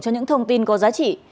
cho những thông tin có giá trị